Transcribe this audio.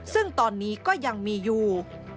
ซึ่งตอนนี้ก็ยังมีอยู่